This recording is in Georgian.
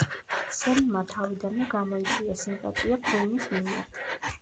სემმა თავიდანვე გამოიწვია სიმპატია ქუინის მიმართ.